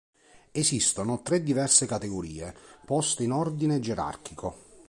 Esistono tre diverse categorie, poste in ordine gerarchico.